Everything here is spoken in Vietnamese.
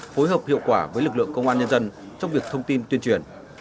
phối hợp hiệu quả với lực lượng công an nhân dân trong việc thông tin tuyên truyền